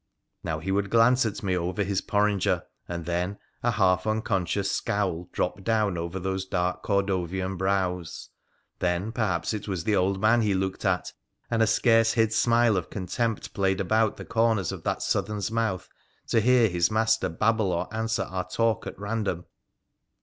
Now he would glance at me over his porringer, and then a half unconscious scowl dropped down over those dark Cordovian brows. Then perhaps it was the old man he looked at, and a scarce hid smile of contempt played about the corners of that Southern 't\ mouth to hear his master babble or answer our talk at random.